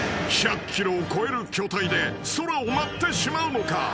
［１００ｋｇを超える巨体で空を舞ってしまうのか？］